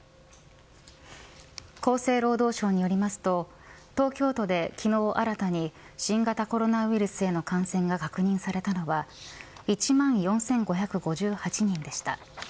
厚生労働省によりますと東京都で昨日、新たに新型コロナウイルスへの感染が確認されたのは１万４５５８人でした。